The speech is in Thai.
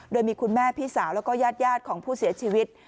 โดยมีคุณแม่พี่สาวแล้วก็ญาติของผู้เสียชีวิต